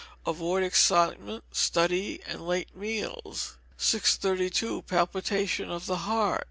Avoid excitement, study, and late meals. 632. Palpitation of the Heart.